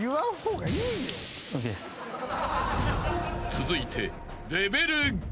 ［続いて］